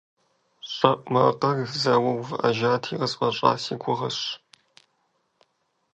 ЩэӀу макъыр зэуэ увыӀэжати, къысфӀэщӀа си гугъащ.